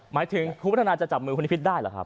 หมายถึงคุณพัฒนาจะจับมือคุณนิพิษได้หรือครับ